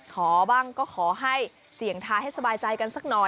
ขอบ้างก็ขอให้เสี่ยงทายให้สบายใจกันสักหน่อย